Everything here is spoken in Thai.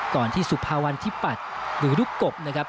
ที่สุภาวันที่ปัตย์หรือลูกกบนะครับ